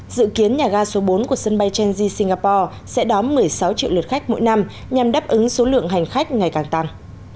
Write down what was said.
dự kiến nhà ga số bốn của sân bay chengy singapore sẽ đón một mươi sáu triệu lượt khách mỗi năm nhằm đáp ứng số lượng hành khách ngày càng tăng